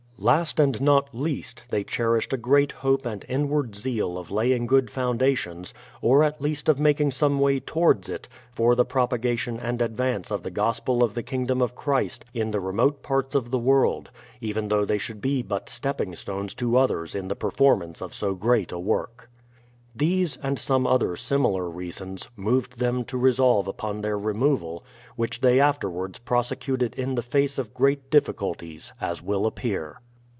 Last and not least, they cherished a great hope and in ward zeal of laying good foundations, or at least of making some way towards it, for the propagation and advance of the gospel of the kingdom of Christ in the remote parts of the world, even though they should be but stepping stones to others in the performance of so great a work. These, and some other similar reasons, moved them to resolve upon their removal, which they afterwards pros ecuted in the face of great difficulties, as will appear.